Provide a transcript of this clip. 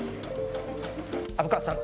虻川さん